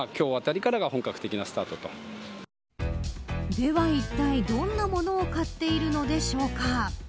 では、いったい、どんな物を買っているのでしょうか。